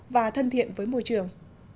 và thân thiện với môi trường